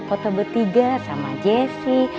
foto bertiga sama jessy